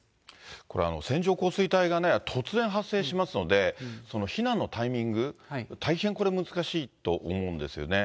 これ、線状降水帯が突然発生しますので、避難のタイミング、大変これ、難しいと思うんですよね。